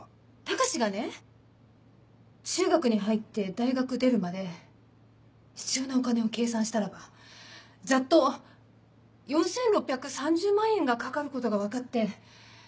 高志がね中学に入って大学出るまで必要なお金を計算したらばざっと４６３０万円がかかることが分かって